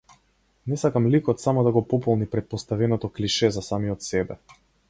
Не сакам ликот само да го пополни претпоставеното клише за самиот себе.